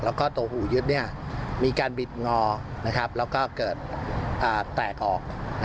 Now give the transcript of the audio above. แล้วก็ตัวหูยึดมีการบิดงอแล้วก็เกิดแตกออก